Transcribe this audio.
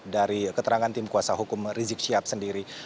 dari keterangan tim kuasa hukum rizik syihab sendiri